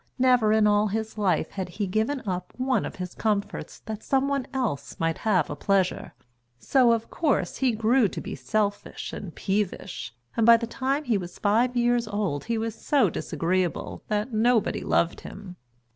Never in all his life had he given up one of his comforts that someone else might have a pleasure. So, of course, he grew to be selfish and peevish, and by the time he was five years old he was so disagreeable that nobody loved him.